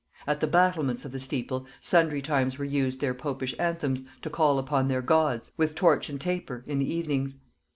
At the battlements of the steeple, sundry times were used their popish anthems, to call upon their Gods, with torch and taper, in the evenings.